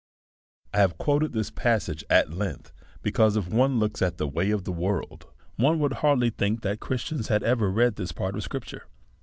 I have quoted this passage at length, because, if one looks at the way of the world, one would hardly think that Christians had ever read this part of scrip ture.